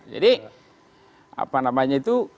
jadi apa namanya itu